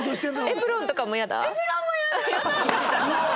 エプロンとかもイヤだ？